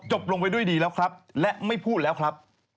ลงไปด้วยดีแล้วครับและไม่พูดแล้วครับ